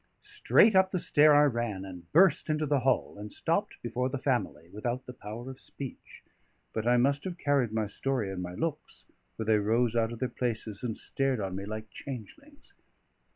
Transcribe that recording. Straight up the stair I ran, and burst into the hall, and stopped before the family without the power of speech; but I must have carried my story in my looks, for they rose out of their places and stared on me like changelings.